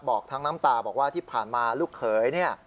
บอกทั้งน้ำตาบอกว่าที่ผ่านมาลูกเขยเนี่ย